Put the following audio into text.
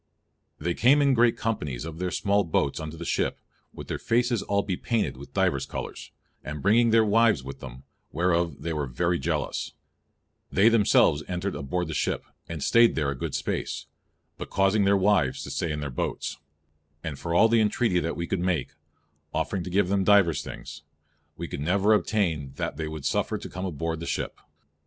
"They came in great companies of their small boats unto the ship, with their faces all bepainted with divers colours, and bringing their wives with them, whereof they were very jealous; they themselves entring aboard the ship, and staying there a good space, but causing their wives to stay in their boats; and for all the entreatie that we could make, offering to give them divers things, we could never obtaine that they would suffer them to come aboard the ship.